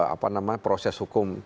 apa namanya proses hukum